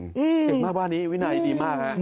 เก่งมากบ้านนี้วินัยดีมากฮะ